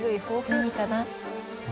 何かな？